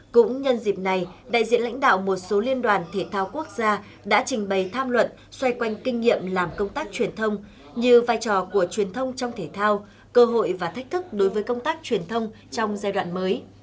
cũng nhân dịp này đại diện lãnh đạo một số liên đoàn thể thao quốc gia đã trình bày tham luận xoay quanh kinh nghiệm làm công tác truyền thông như vai trò của truyền thông trong thể thao cơ hội và thách thức đối với công tác truyền thông trong giai đoạn mới